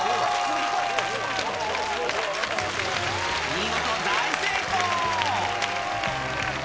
見事、大成功。